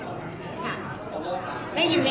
และพอฝึ่งดึง